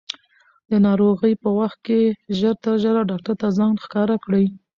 د ناروغۍ په وخت کې ژر تر ژره ډاکټر ته ځان ښکاره کړئ.